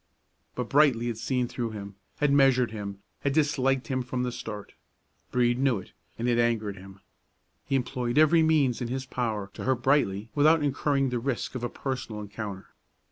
But Brightly had seen through him, had measured him, had disliked him from the start. Brede knew it, and it angered him. He employed every means in his power to hurt Brightly without incurring the risk of a personal encounter.